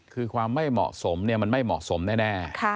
คือความไม่เหมาะสมมันไม่เหมาะสมแน่